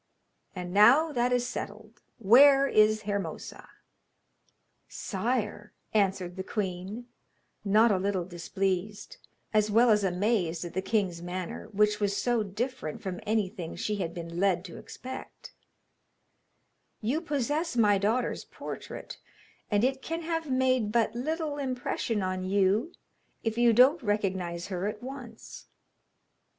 And now that is settled, where is Hermosa?' [Illustration: ISMENOR BRINGS LINO TO RIQUETTE] 'Sire,' answered the queen, not a little displeased as well as amazed at the king's manner, which was so different from anything she had been led to expect. 'You possess my daughter's portrait, and it can have made but little impression on you if you don't recognise her at once.'